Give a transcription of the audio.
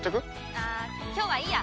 あっ今日はいいや。